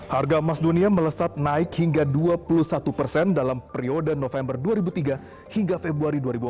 harga emas dunia melesat naik hingga dua puluh satu persen dalam periode november dua ribu tiga hingga februari dua ribu empat belas